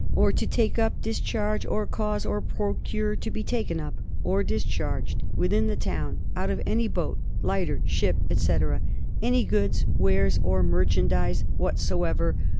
. or to take up, discharge, or cause or procure to be taken up or discharged within the town, out of any boat, lighter, ship, etc., any goods, wares, or merchandise whatsoever